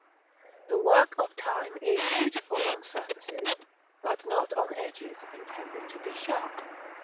The work of time is beautiful on surfaces, but not on edges intended to be sharp.